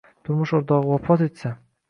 Turmush o‘rtog‘i vafot etsa